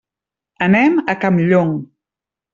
Anem a Campllong.